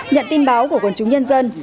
nhận tin báo của quần chúng nhân dân